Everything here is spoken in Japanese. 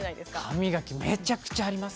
歯磨きめちゃくちゃあります。